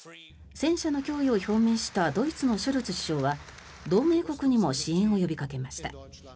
戦車の供与を表明したドイツのショルツ首相は同盟国にも支援を呼びかけました。